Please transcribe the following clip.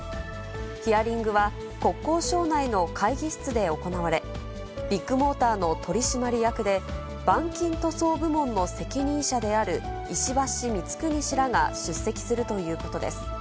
ヒアリングは、国交省内の会議室で行われ、ビッグモーターの取締役で、板金塗装部門の責任者である、石橋光国氏らが出席するということです。